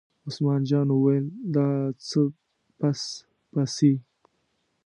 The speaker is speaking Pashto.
عثمان جان وویل: د څه پس پسي.